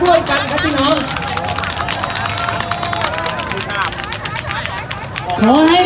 สวัสดีครับ